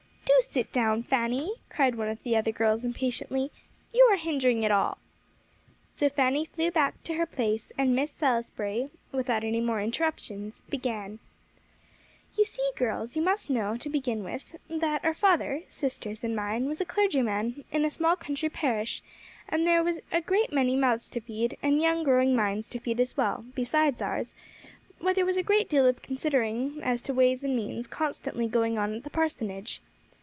"Do sit down, Fanny," cried one of the other girls impatiently; "you are hindering it all." So Fanny flew back to her place, and Miss Salisbury without any more interruptions, began: "You see, girls, you must know to begin with, that our father sister's and mine was a clergyman in a small country parish; and as there were a great many mouths to feed, and young, growing minds to feed as well, besides ours, why there was a great deal of considering as to ways and means constantly going on at the parsonage.